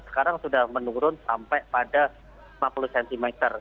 sekarang sudah menurun sampai pada lima puluh cm